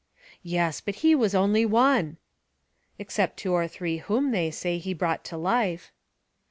"Yes; but he was only one!" "Except two or three whom, they say, he brought to life."